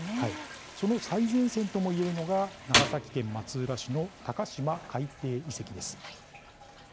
その最前線ともいえるのが長崎県松浦市の鷹島海底遺跡です。